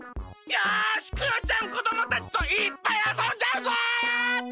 よしクヨちゃんこどもたちといっぱいあそんじゃうぞ！